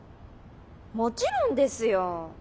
もちろんですよォ。